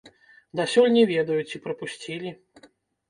Дасюль не ведаю, ці прапусцілі.